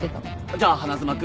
じゃあ花妻君？